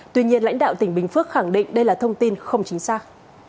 tuy nhiên lãnh đạo tỉnh bình phước khẳng định đây là thông tin không chính xác